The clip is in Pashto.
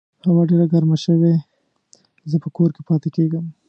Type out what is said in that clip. هوا ډېره ګرمه شوې، زه په کور کې پاتې کیږم